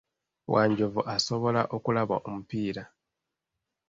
Wanjovu asobola okulaba omupiira.